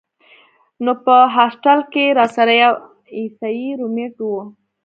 نو پۀ هاسټل کښې راسره يو عيسائي رومېټ وۀ